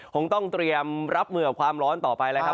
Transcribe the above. คงต้องเตรียมรับมือกับความร้อนต่อไปแล้วครับ